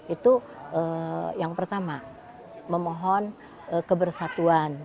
itu yang pertama memohon kebersatuan